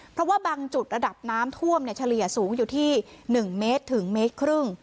เพราะว่าบางจุดระดับน้ำท่วมเฉลี่ยสูงอยู่ที่๑เมตรถึงเมตรครึ่ง